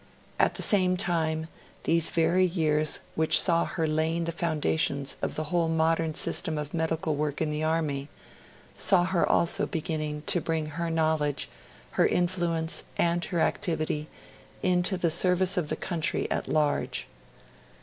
At the same time, these very years which saw her laying the foundations of the whole modern system of medical work in the Army, saw her also beginning to bring her knowledge, her influence, and her activity into the service of the country at large.